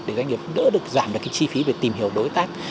để doanh nghiệp đỡ được giảm được cái chi phí về tìm hiểu đối tác